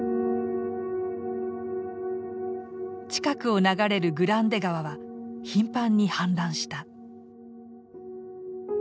近くを流れるグランデ川は頻繁に氾濫した。